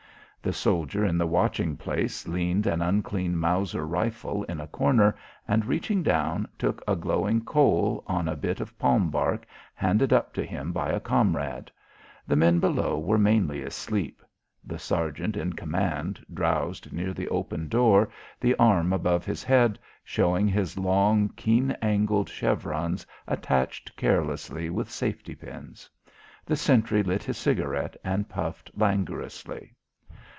The soldier in the watching place leaned an unclean Mauser rifle in a corner, and, reaching down, took a glowing coal on a bit of palm bark handed up to him by a comrade. The men below were mainly asleep. The sergeant in command drowsed near the open door, the arm above his head, showing his long keen angled chevrons attached carelessly with safety pins. The sentry lit his cigarette and puffed languorously.